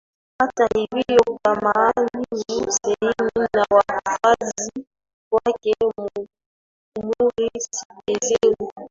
Hata hivyo kwa Maalim Seif na wafuasi wake umri si kigezo